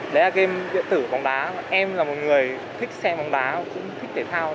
đấy là game điện tử bóng đá em là một người thích xe bóng đá cũng thích thể thao